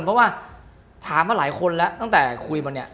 เพราะว่าถามมาหลายคนแล้วตั้งแต่คุยมาเนี่ย